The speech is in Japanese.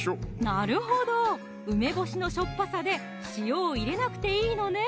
なるほど梅干しの塩っぱさで塩を入れなくていいのね